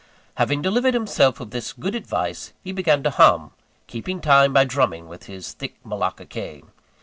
Having delivered himself of this good advice, he began to hum, keeping time by drumming with his thick Malacca cane.